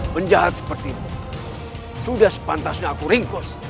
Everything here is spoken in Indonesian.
menjahat seperti itu sudah sepantasnya aku ringkus